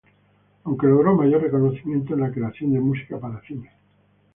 Aunque logró mayor reconocimiento en la creación de música para cine.